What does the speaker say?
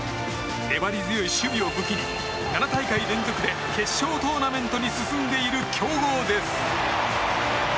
粘り強い守備を武器に７大会連続で決勝トーナメントに進んでいる強豪です。